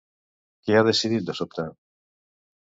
Què ha decidit de sobte?